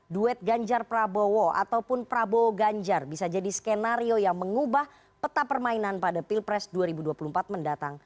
duet ganjar prabowo ataupun prabowo ganjar bisa jadi skenario yang mengubah peta permainan pada pilpres dua ribu dua puluh empat mendatang